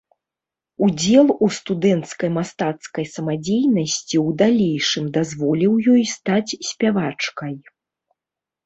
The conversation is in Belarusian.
Удзел у студэнцкай мастацкай самадзейнасці ў далейшым дазволіў ёй стаць спявачкай.